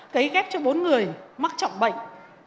cấy ghép cho bốn người mắc trọng bệnh